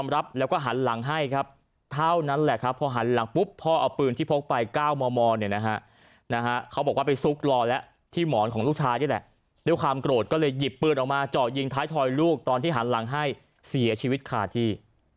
เร็วความโกรธก็เลยหยิบปืนออกมาเจาะยิงท้ายถอยลูกตอนที่หันหลังให้เสียชีวิตขาดที่